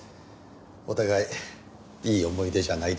お互いいい思い出じゃないですから。